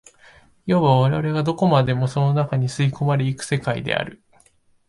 いわば我々がどこまでもその中に吸い込まれ行く世界である。